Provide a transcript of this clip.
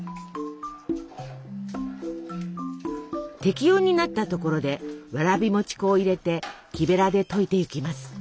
適温になったところでわらび餅粉を入れて木べらで溶いていきます。